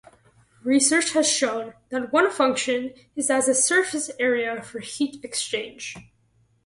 Research has shown that one function is as a surface area for heat exchange.